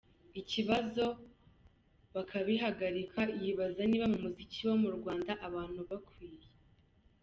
ikibazo, bakabihagarika, Yibaza niba mu muziki wo mu Rwanda, abantu bakwiye